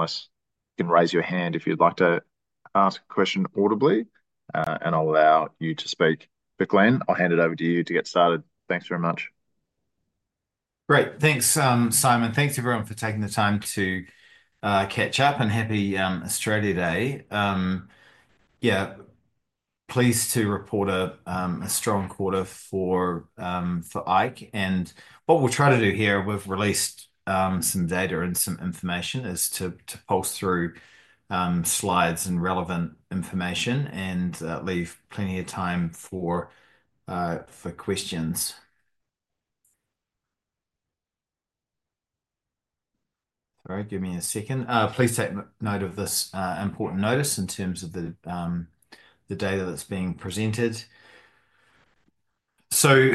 Unless you can raise your hand if you'd like to ask a question audibly, and I'll allow you to speak. But Glenn, I'll hand it over to you to get started. Thanks very much. Great. Thanks, Simon. Thanks everyone for taking the time to catch up, and happy Australia Day. Yeah, pleased to report a strong quarter for IKE, and what we'll try to do here, we've released some data and some information is to walk through slides and relevant information and leave plenty of time for questions. All right, give me a second. Please take note of this important notice in terms of the data that's being presented. So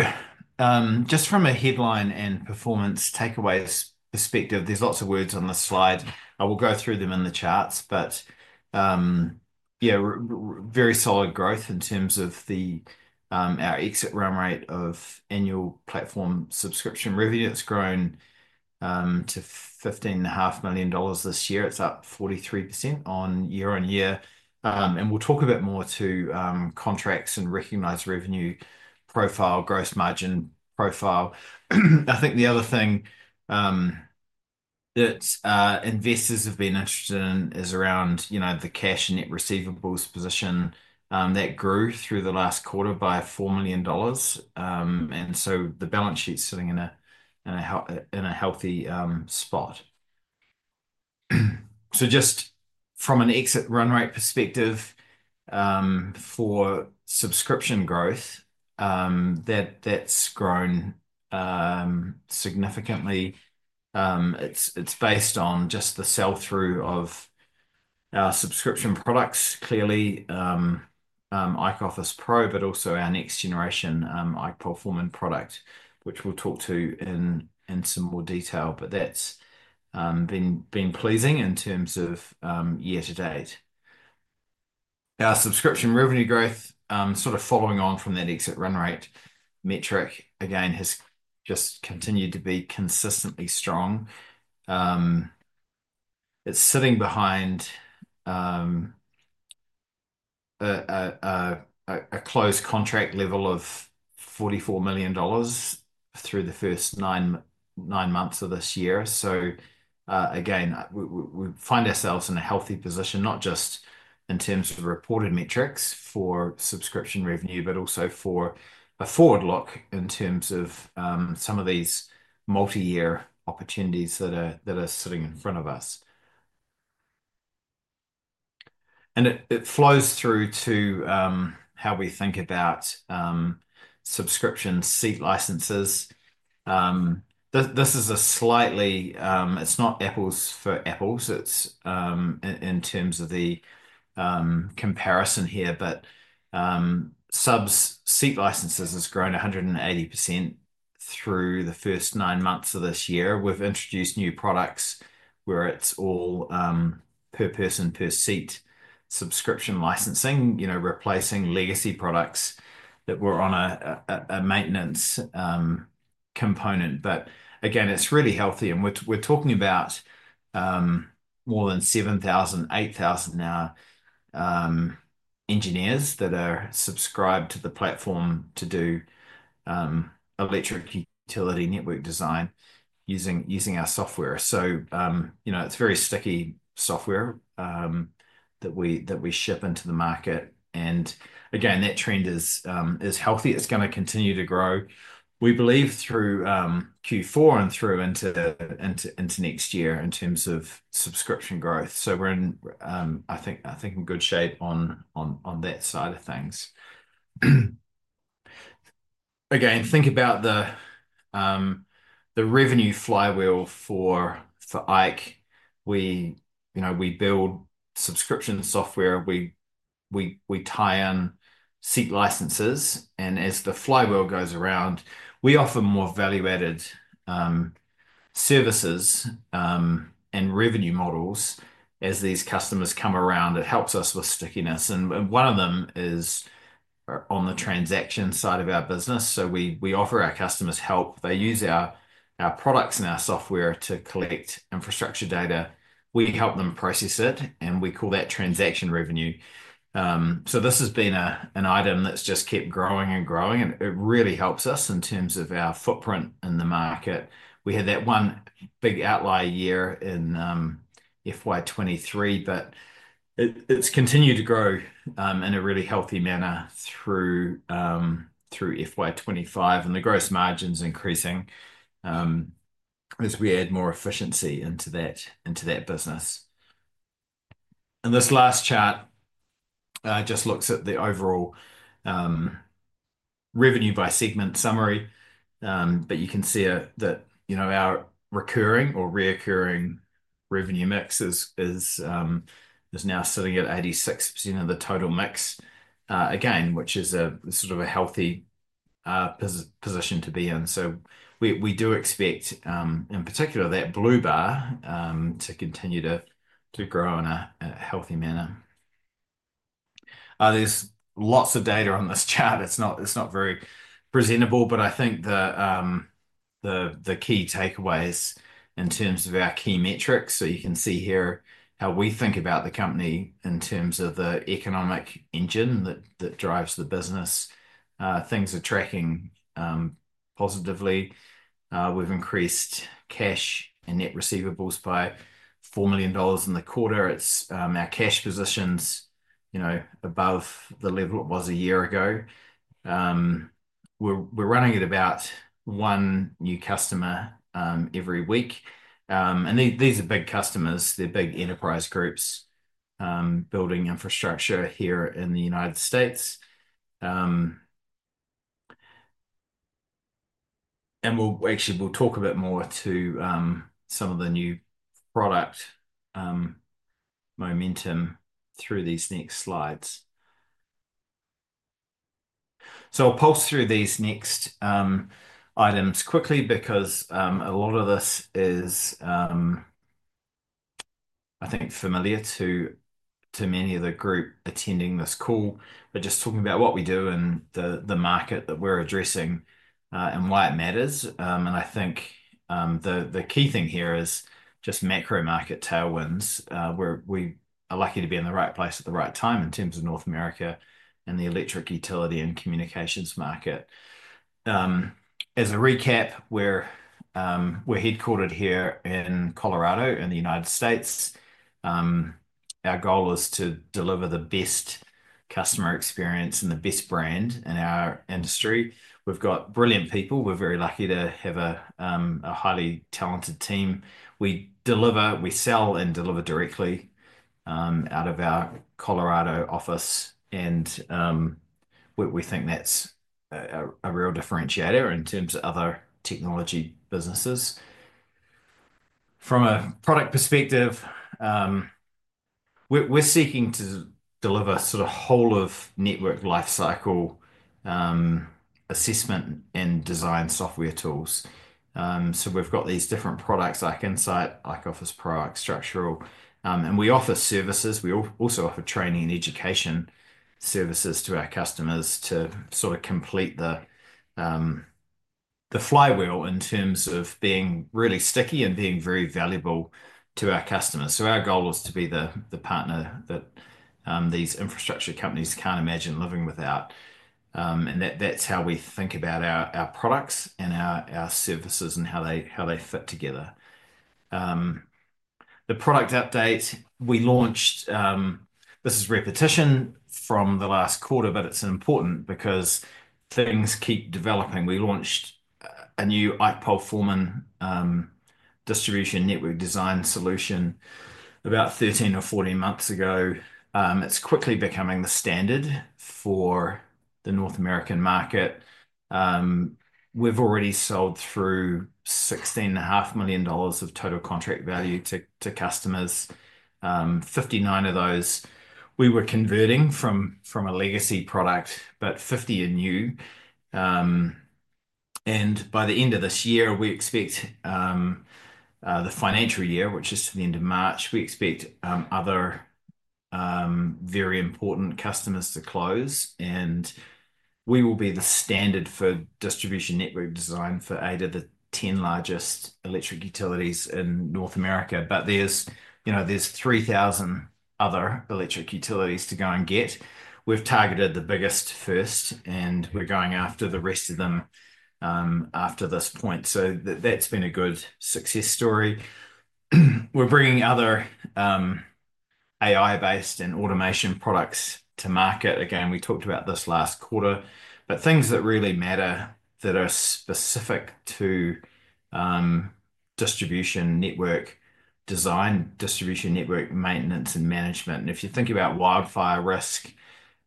just from a headline and performance takeaways perspective, there's lots of words on the slide. I will go through them in the charts, but yeah, very solid growth in terms of our exit run rate of annual platform subscription revenue. It's grown to 15.5 million dollars this year. It's up 43% on year on year, and we'll talk a bit more to contracts and recognized revenue profile, gross margin profile. I think the other thing that investors have been interested in is around the cash and net receivables position. That grew through the last quarter by 4 million dollars. The balance sheet's sitting in a healthy spot. Just from an exit run rate perspective for subscription growth, that's grown significantly. It's based on just the sell-through of our subscription products, clearly IKE Office Pro, but also our next generation IKE PoleForeman product, which we'll talk to in some more detail. That's been pleasing in terms of year to date. Our subscription revenue growth, sort of following on from that exit run rate metric, again, has just continued to be consistently strong. It's sitting behind a closed contract level of 44 million dollars through the first nine months of this year. So again, we find ourselves in a healthy position, not just in terms of reported metrics for subscription revenue, but also for a forward look in terms of some of these multi-year opportunities that are sitting in front of us. And it flows through to how we think about subscription seat licenses. This is a slightly, it's not apples for apples. It's in terms of the comparison here, but subs seat licenses has grown 180% through the first nine months of this year. We've introduced new products where it's all per person per seat subscription licensing, replacing legacy products that were on a maintenance component. But again, it's really healthy. And we're talking about more than 7,000-8,000 now engineers that are subscribed to the platform to do electric utility network design using our software. So it's very sticky software that we ship into the market. And again, that trend is healthy. It's going to continue to grow. We believe through Q4 and through into next year in terms of subscription growth. So we're in, I think, in good shape on that side of things. Again, think about the revenue flywheel for IKE. We build subscription software. We tie in seat licenses. And as the flywheel goes around, we offer more value-added services and revenue models as these customers come around. It helps us with stickiness. And one of them is on the transaction side of our business. So we offer our customers help. They use our products and our software to collect infrastructure data. We help them process it, and we call that transaction revenue. So this has been an item that's just kept growing and growing. It really helps us in terms of our footprint in the market. We had that one big outlier year in FY23, but it's continued to grow in a really healthy manner through FY25. And the gross margin's increasing as we add more efficiency into that business. And this last chart just looks at the overall revenue by segment summary. But you can see that our recurring or reoccurring revenue mix is now sitting at 86% of the total mix, again, which is sort of a healthy position to be in. So we do expect, in particular, that blue bar to continue to grow in a healthy manner. There's lots of data on this chart. It's not very presentable, but I think the key takeaways in terms of our key metrics. So you can see here how we think about the company in terms of the economic engine that drives the business. Things are tracking positively. We've increased cash and net receivables by 4 million dollars in the quarter. Our cash position is above the level it was a year ago. We're running at about one new customer every week, and these are big customers. They're big enterprise groups building infrastructure here in the United States, and actually, we'll talk a bit more about some of the new product momentum through these next slides, so I'll plow through these next items quickly because a lot of this is, I think, familiar to many of the group attending this call. We're just talking about what we do and the market that we're addressing and why it matters, and I think the key thing here is just macro market tailwinds where we are lucky to be in the right place at the right time in terms of North America and the electric utility and communications market. As a recap, we're headquartered here in Colorado in the United States. Our goal is to deliver the best customer experience and the best brand in our industry. We've got brilliant people. We're very lucky to have a highly talented team. We sell and deliver directly out of our Colorado office, and we think that's a real differentiator in terms of other technology businesses. From a product perspective, we're seeking to deliver sort of whole-of-network lifecycle assessment and design software tools, so we've got these different products like Insight, IKE Office Pro, IKE Structural, and we offer services. We also offer training and education services to our customers to sort of complete the flywheel in terms of being really sticky and being very valuable to our customers, so our goal is to be the partner that these infrastructure companies can't imagine living without. That's how we think about our products and our services and how they fit together. The product update. We launched. This is repetition from the last quarter, but it's important because things keep developing. We launched a new IKE Performance distribution network design solution about 13 or 14 months ago. It's quickly becoming the standard for the North American market. We've already sold through 16.5 million dollars of total contract value to customers, 59 of those. We were converting from a legacy product, but 50 are new. By the end of this year, we expect the financial year, which is to the end of March, we expect other very important customers to close. We will be the standard for distribution network design for eight of the 10 largest electric utilities in North America. There's 3,000 other electric utilities to go and get. We've targeted the biggest first, and we're going after the rest of them after this point. So that's been a good success story. We're bringing other AI-based and automation products to market. Again, we talked about this last quarter, but things that really matter that are specific to distribution network design, distribution network maintenance and management, and if you think about wildfire risk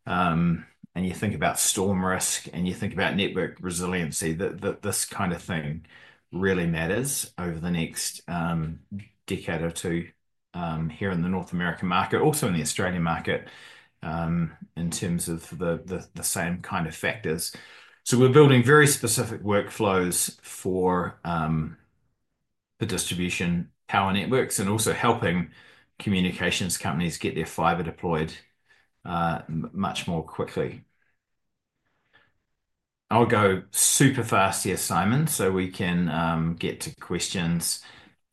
and you think about storm risk and you think about network resiliency, this kind of thing really matters over the next decade or two here in the North American market, also in the Australian market in terms of the same kind of factors, so we're building very specific workflows for the distribution power networks and also helping communications companies get their fiber deployed much more quickly. I'll go super fast here, Simon, so we can get to questions.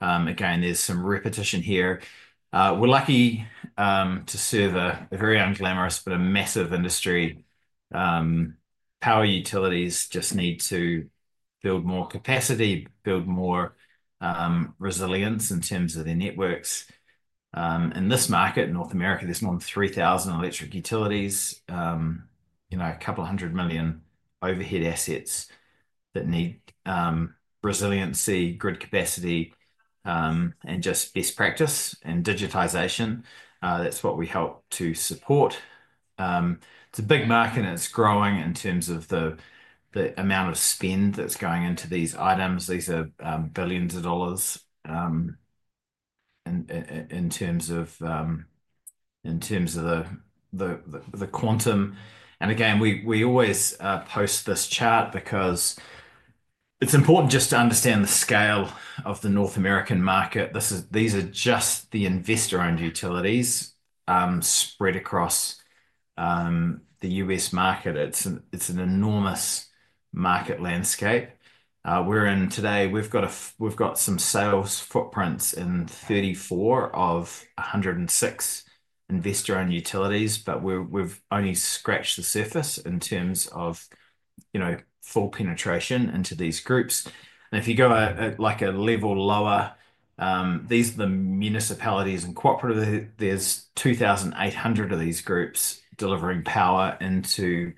Again, there's some repetition here. We're lucky to serve a very unglamorous but a massive industry. Power utilities just need to build more capacity, build more resilience in terms of their networks. In this market, North America, there's more than 3,000 electric utilities, a couple of hundred million overhead assets that need resiliency, grid capacity, and just best practice and digitization. That's what we help to support. It's a big market, and it's growing in terms of the amount of spend that's going into these items. These are billions of dollars in terms of the quantum. And again, we always post this chart because it's important just to understand the scale of the North American market. These are just the investor-owned utilities spread across the U.S. market. It's an enormous market landscape. Today, we've got some sales footprints in 34 of 106 investor-owned utilities, but we've only scratched the surface in terms of full penetration into these groups, and if you go at a level lower, these are the municipalities and cooperatives. There's 2,800 of these groups delivering power into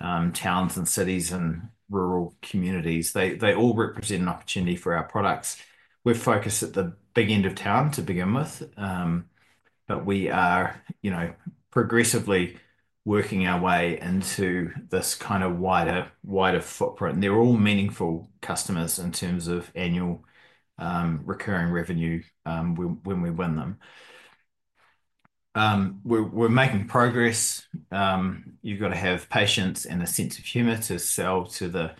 towns and cities and rural communities. They all represent an opportunity for our products. We're focused at the big end of town to begin with, but we are progressively working our way into this kind of wider footprint, and they're all meaningful customers in terms of annual recurring revenue when we win them. We're making progress. You've got to have patience and a sense of humor to sell to the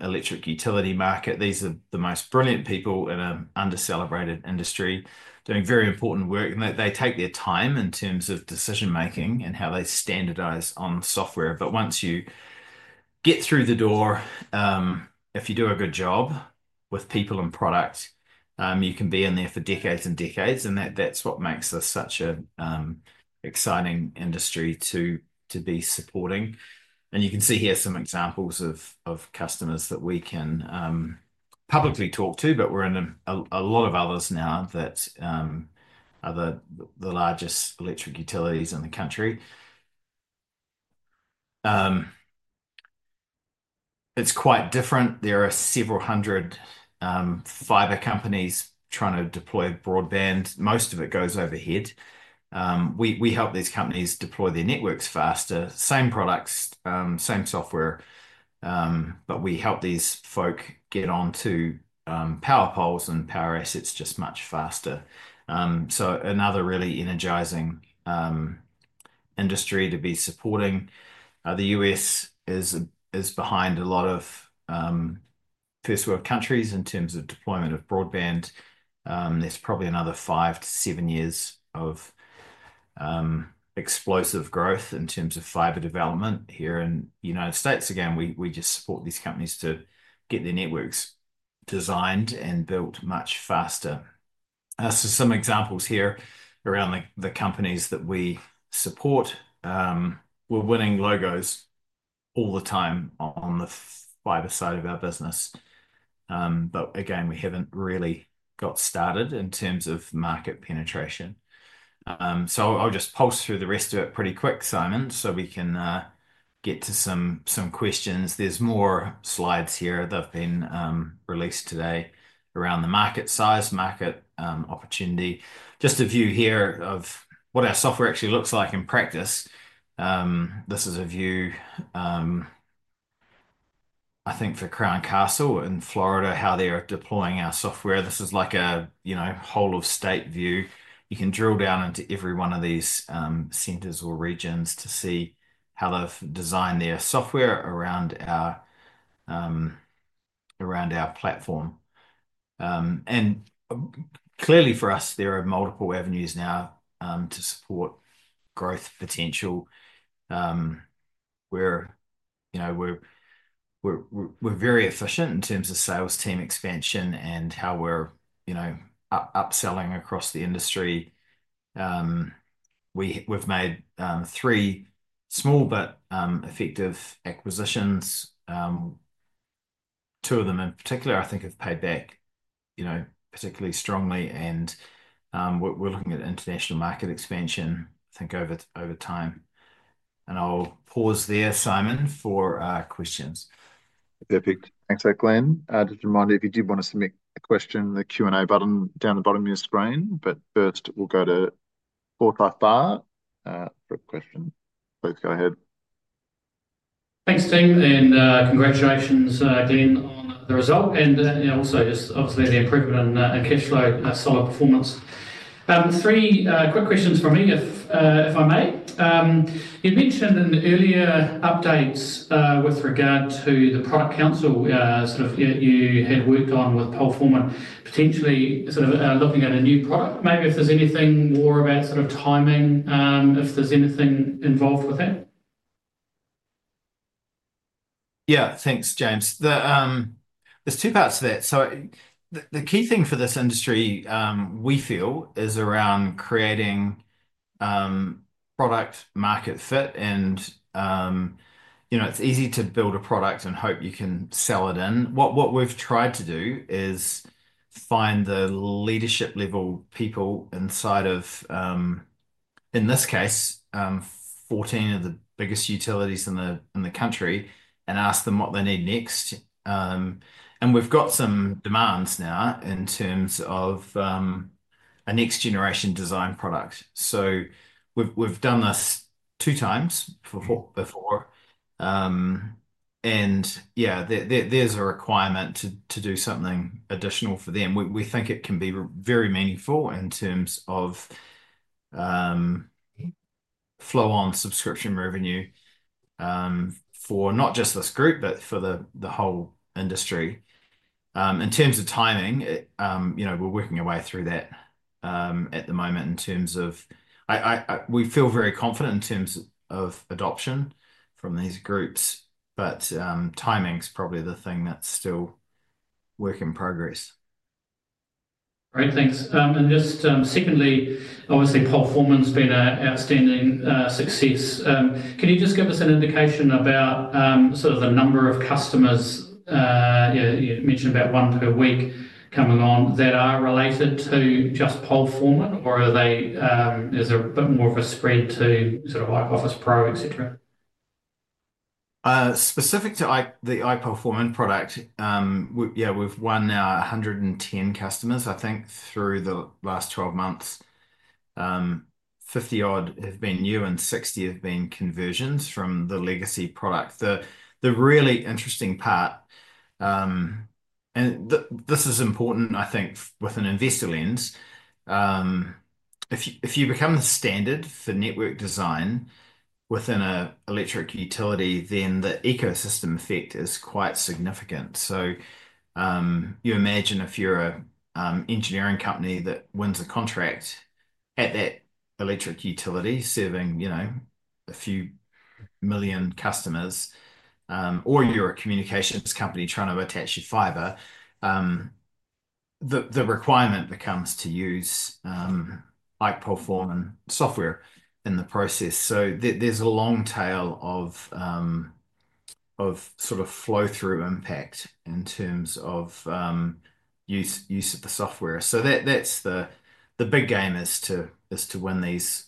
electric utility market. These are the most brilliant people in an under-celebrated industry doing very important work, and they take their time in terms of decision-making and how they standardise on software. But once you get through the door, if you do a good job with people and product, you can be in there for decades and decades. And that's what makes this such an exciting industry to be supporting. And you can see here some examples of customers that we can publicly talk to, but we're in a lot of others now that are the largest electric utilities in the country. It's quite different. There are several hundred fiber companies trying to deploy broadband. Most of it goes overhead. We help these companies deploy their networks faster. Same products, same software, but we help these folk get onto power poles and power assets just much faster. So another really energizing industry to be supporting. The U.S. is behind a lot of First World countries in terms of deployment of broadband. There's probably another five to seven years of explosive growth in terms of fiber development here in the United States. Again, we just support these companies to get their networks designed and built much faster. So some examples here around the companies that we support. We're winning logos all the time on the fiber side of our business. But again, we haven't really got started in terms of market penetration. So I'll just pulse through the rest of it pretty quick, Simon, so we can get to some questions. There's more slides here that have been released today around the market size, market opportunity. Just a view here of what our software actually looks like in practice. This is a view, I think, for Crown Castle in Florida, how they are deploying our software. This is like a whole-of-state view. You can drill down into every one of these centers or regions to see how they've designed their software around our platform. And clearly, for us, there are multiple avenues now to support growth potential. We're very efficient in terms of sales team expansion and how we're upselling across the industry. We've made three small but effective acquisitions. Two of them, in particular, I think, have paid back particularly strongly. And we're looking at international market expansion, I think, over time. And I'll pause there, Simon, for questions. Perfect. Thanks, Glenn. Just a reminder, if you did want to submit a question, the Q&A button down the bottom of your screen. But first, we'll go to Paul from Forsyth Barr for a question. Please go ahead. Thanks, team. And congratulations, Glenn, on the result. And also, obviously, the improvement in cash flow. Solid performance. Three quick questions from me, if I may. You mentioned in earlier updates with regard to the product council sort of you had worked on with PoleForeman, potentially sort of looking at a new product. Maybe if there's anything more about sort of timing, if there's anything involved with that. Yeah, thanks, James. There's two parts to that. So the key thing for this industry, we feel, is around creating product-market fit. And it's easy to build a product and hope you can sell it in. What we've tried to do is find the leadership-level people inside of, in this case, 14 of the biggest utilities in the country and ask them what they need next. And we've got some demands now in terms of a next-generation design product. So we've done this two times before. And yeah, there's a requirement to do something additional for them. We think it can be very meaningful in terms of flow-on subscription revenue for not just this group, but for the whole industry. In terms of timing, we're working our way through that at the moment in terms of we feel very confident in terms of adoption from these groups, but timing is probably the thing that's still work in progress. Great. Thanks. And just secondly, obviously, Pole Foreman's been an outstanding success. Can you just give us an indication about sort of the number of customers you mentioned about one per week coming on that are related to just Pole Foreman, or is there a bit more of a spread to sort of IKE Office Pro, etc.? Specific to the IKE Performance product, yeah, we've won now 110 customers, I think, through the last 12 months. 50 odd have been new, and 60 have been conversions from the legacy product. The really interesting part, and this is important, I think, with an investor lens, if you become the standard for network design within an electric utility, then the ecosystem effect is quite significant. So you imagine if you're an engineering company that wins a contract at that electric utility serving a few million customers, or you're a communications company trying to attach your fiber, the requirement becomes to use IKE Performance software in the process. So there's a long tail of sort of flow-through impact in terms of use of the software. So that's the big game is to win these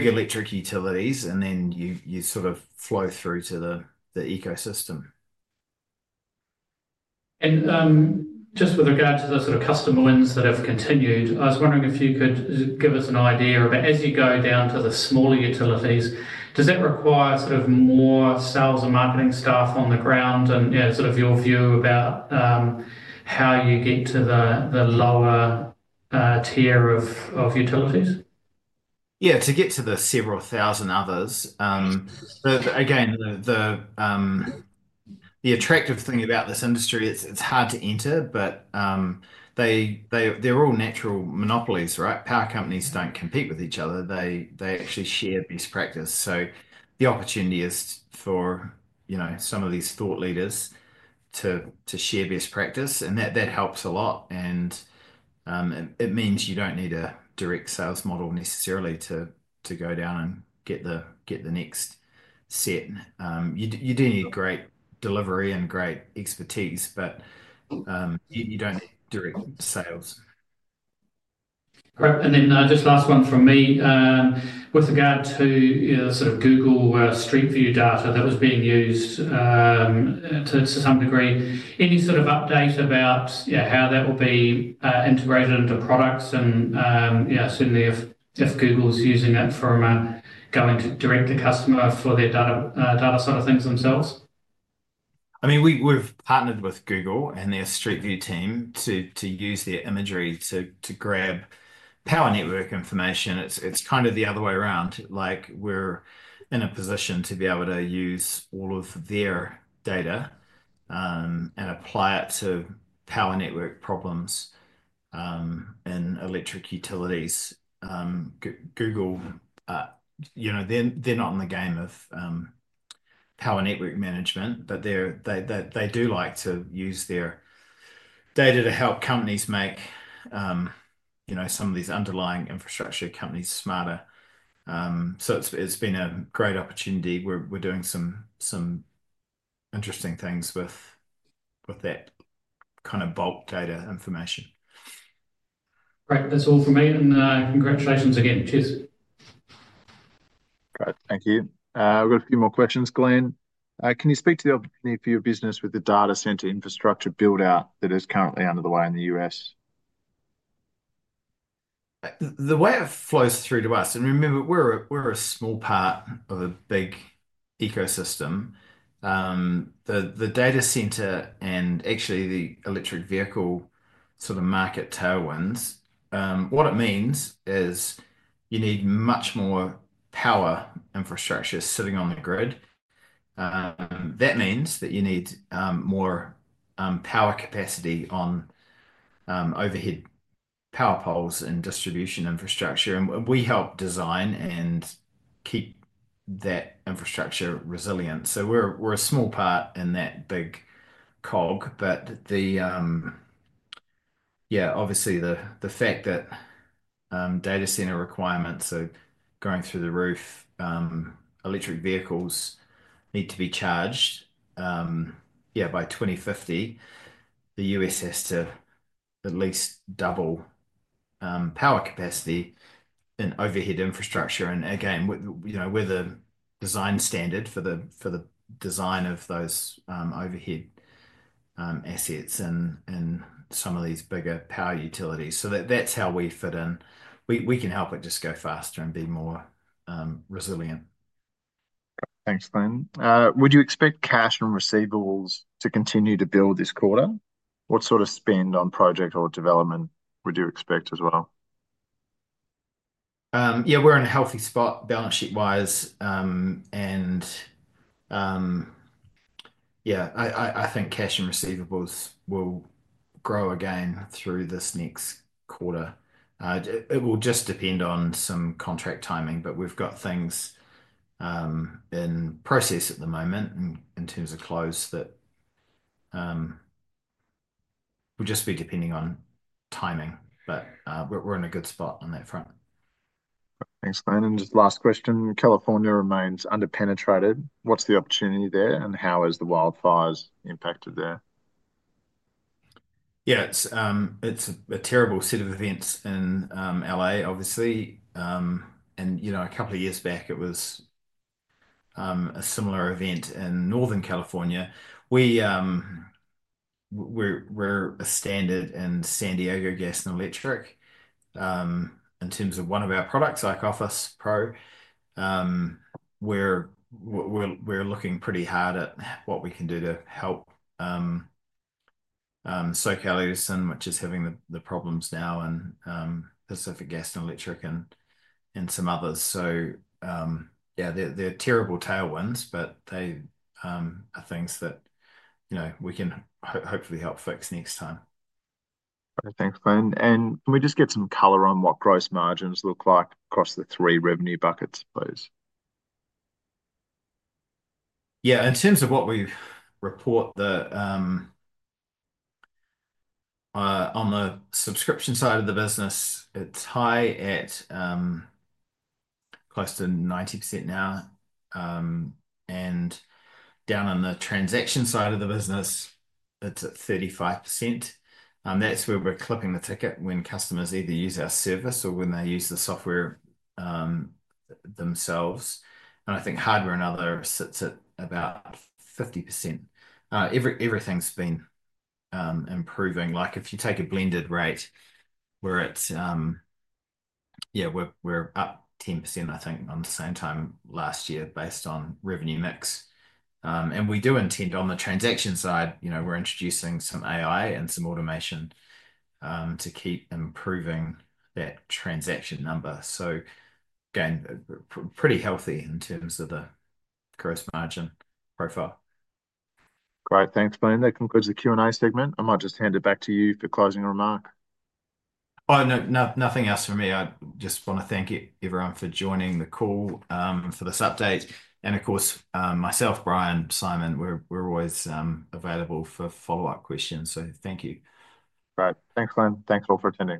big electric utilities, and then you sort of flow through to the ecosystem. Just with regard to those sort of customer wins that have continued, I was wondering if you could give us an idea of, as you go down to the smaller utilities, does that require sort of more sales and marketing staff on the ground? And sort of your view about how you get to the lower tier of utilities? Yeah, to get to the several thousand others. But again, the attractive thing about this industry, it's hard to enter, but they're all natural monopolies, right? Power companies don't compete with each other. They actually share best practice. So the opportunity is for some of these thought leaders to share best practice. And that helps a lot. And it means you don't need a direct sales model necessarily to go down and get the next set. You do need great delivery and great expertise, but you don't need direct sales. Great, and then just last one from me. With regard to sort of Google Street View data that was being used to some degree, any sort of update about how that will be integrated into products, and certainly if Google's using it or going to direct to customer for their data side of things themselves? I mean, we've partnered with Google and their Street View team to use their imagery to grab power network information. It's kind of the other way around. We're in a position to be able to use all of their data and apply it to power network problems in electric utilities. Google, they're not in the game of power network management, but they do like to use their data to help companies make some of these underlying infrastructure companies smarter. So it's been a great opportunity. We're doing some interesting things with that kind of bulk data information. Great. That's all from me, and congratulations again. Cheers. Great. Thank you. We've got a few more questions, Glenn. Can you speak to the opportunity for your business with the data center infrastructure build-out that is currently underway in the U.S.? The way it flows through to us, and remember, we're a small part of a big ecosystem. The data center and actually the electric vehicle sort of market tailwinds, what it means is you need much more power infrastructure sitting on the grid. That means that you need more power capacity on overhead power poles and distribution infrastructure. And we help design and keep that infrastructure resilient, so we're a small part in that big cog. But yeah, obviously, the fact that data center requirements are going through the roof. Electric vehicles need to be charged, yeah. By 2050, the U.S. has to at least double power capacity in overhead infrastructure, and again, we're the design standard for the design of those overhead assets and some of these bigger power utilities, so that's how we fit in. We can help it just go faster and be more resilient. Thanks, Glenn. Would you expect cash and receivables to continue to build this quarter? What sort of spend on project or development would you expect as well? Yeah, we're in a healthy spot balance sheet-wise, and yeah, I think cash and receivables will grow again through this next quarter. It will just depend on some contract timing, but we've got things in process at the moment in terms of close that will just be depending on timing. But we're in a good spot on that front. Thanks, Glenn. And just last question. California remains under-penetrated. What's the opportunity there, and how has the wildfires impacted there? Yeah, it's a terrible set of events in LA, obviously. And a couple of years back, it was a similar event in Northern California. We're a standard in San Diego Gas and Electric in terms of one of our products, IKE Office Pro. We're looking pretty hard at what we can do to help SoCal Edison, which is having the problems now, and Pacific Gas and Electric and some others. So yeah, they're terrible tailwinds, but they are things that we can hopefully help fix next time. Thanks, Glenn. And can we just get some color on what gross margins look like across the three revenue buckets, please? Yeah. In terms of what we report on the subscription side of the business, it's high at close to 90% now, and down on the transaction side of the business, it's at 35%. That's where we're clipping the ticket when customers either use our service or when they use the software themselves, and I think hardware and other sits at about 50%. Everything's been improving. If you take a blended rate where it's, yeah, we're up 10%, I think, on the same time last year based on revenue mix, and we do intend on the transaction side, we're introducing some AI and some automation to keep improving that transaction number, so again, pretty healthy in terms of the gross margin profile. Great. Thanks, Glenn. That concludes the Q&A segment. I might just hand it back to you for closing remark. Oh, nothing else for me.I just want to thank everyone for joining the call for this update. And of course, myself, Brian, Simon, we're always available for follow-up questions. So thank you. Great. Thanks, Glenn. Thanks all for attending.